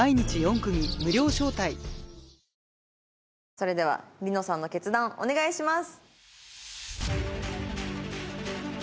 それでは璃乃さんの決断お願いします。